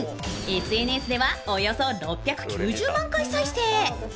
ＳＮＳではおよそ６９０万回再生。